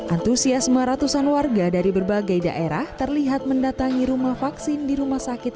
antusiasme ratusan warga dari berbagai daerah terlihat mendatangi rumah vaksin di rumah sakit